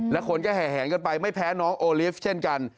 และคนก็แห่แหงกันไปไม่แพ้น้องโอลิฟต์เช่นกัน